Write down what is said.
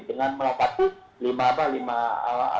dengan melapasi lima apa